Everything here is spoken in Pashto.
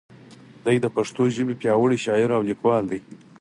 دی د پښتو ژبې پیاوړی شاعر او لیکوال دی.